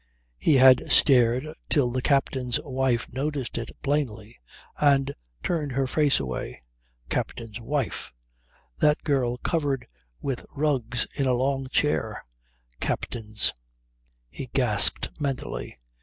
He had stared till the captain's wife noticed it plainly and turned her face away. Captain's wife! That girl covered with rugs in a long chair. Captain's ...! He gasped mentally.